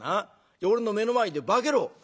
俺の目の前で化けろ！」。